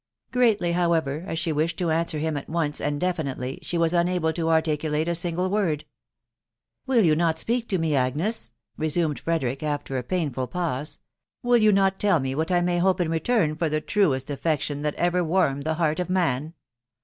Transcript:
Greatly, however, as she wished to answer him at once and definitively, she was unable to articulate a single word. " "Will you not speak to me, Agnes ?" resumed Frederick, after a painful pause. " Will you not tell me what I may hope in return for the truest affection that ever warmed the heart of man